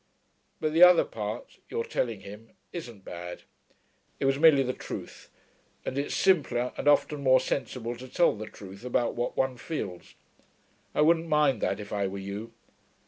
But the other part your telling him isn't bad. It was merely the truth; and it's simpler and often more sensible to tell the truth about what one feels. I wouldn't mind that, if I were you.